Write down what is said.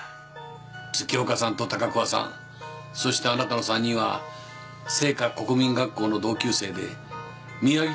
月岡さんと高桑さんそしてあなたの３人は誠華国民学校の同級生で宮城県の白石に疎開していたはずですよ。